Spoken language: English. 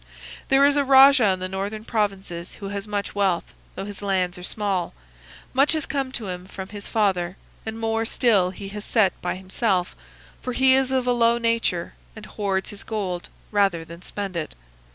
"'There is a rajah in the northern provinces who has much wealth, though his lands are small. Much has come to him from his father, and more still he has set by himself, for he is of a low nature and hoards his gold rather than spend it.